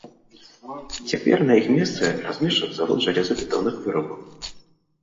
Цяпер на іх месцы размешчаны завод жалезабетонных вырабаў.